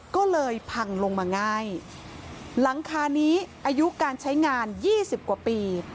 ก็เลยพังลงมาง่ายหลังคานี้อายุการใช้งาน๒๐กว่าปี